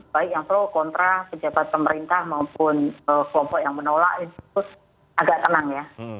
baik yang pro kontra pejabat pemerintah maupun kelompok yang menolak itu agak tenang ya